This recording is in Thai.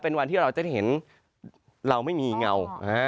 เป็นวันที่จะเห็นว่าเราไม่มีเงา